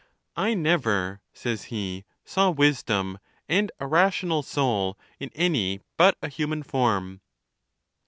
I never, says he, saw wisdom and a rational soul in any but a human form.